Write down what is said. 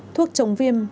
thuốc chống viêm